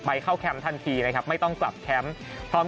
ไปเข้าแคมป์ทันทีไม่ต้องกลับแคมป์